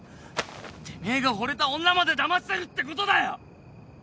てめえがほれた女までだましてるってことだよ！